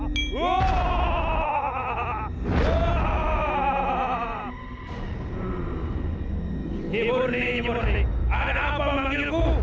nyi purni nyi purni ada apa memanggilku